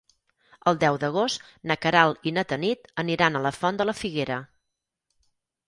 El deu d'agost na Queralt i na Tanit aniran a la Font de la Figuera.